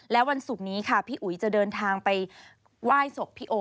และวันศุกร์นี้ค่ะพี่อุ๋ยจะเดินทางไปไหว้ศพพี่โอ